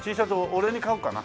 俺に買おうかな？